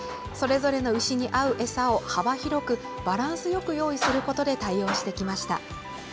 それぞれの牛に合う餌を幅広くバランスよく用意することで対応してきました。